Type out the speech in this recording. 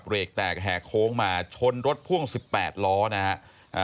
เบรกแตกแห่โค้งมาชนรถพ่วง๑๘ล้อนะครับ